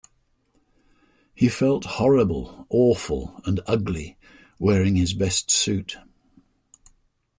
He felt horrible, awful, and ugly wearing his best suit.